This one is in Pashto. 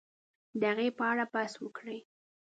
د هغې په اړه بحث وکړي